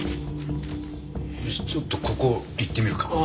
ちょっとここ行ってみるか。